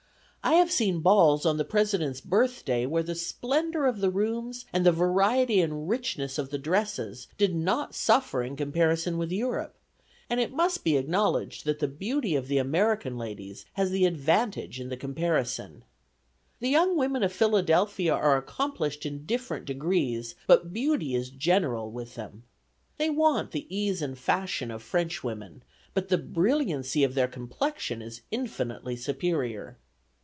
I have seen balls on the President's birthday where the splendor of the rooms, and the variety and richness of the dresses did not suffer in comparison with Europe; and it must be acknowledged that the beauty of the American ladies has the advantage in the comparison. The young women of Philadelphia are accomplished in different degrees, but beauty is general with them. They want the ease and fashion of Frenchwomen; but the brilliancy of their complexion is infinitely superior.